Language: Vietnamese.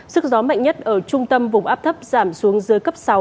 sức gió mạnh nhất ở trung tâm vùng áp thấp giảm xuống dưới cấp sáu